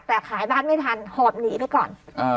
แต่ขายบ้านไม่ทันหอบหนีไปก่อน